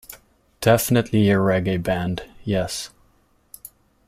Definitely a reggae band, yes.